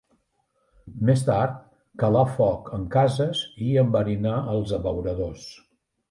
Més tard, calar foc en cases i enverinar els abeuradors.